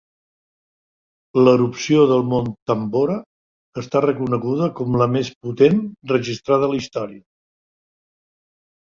L'erupció del Mont Tambora està reconeguda com la més potent registrada a la història.